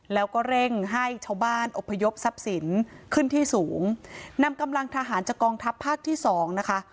แล้วก็เร่งให้ชาวบ้านอบพยพทรัพย์สินขึ้นที่สูงนำกำลังทหารจากกองทัพภาคที่สองนะคะ